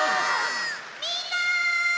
みんな！